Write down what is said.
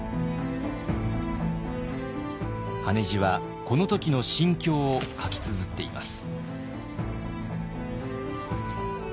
羽地はこの時の心境を書きつづっています。